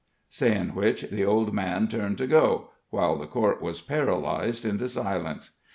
Saying which, the old man turned to go, while the court was paralyzed into silence.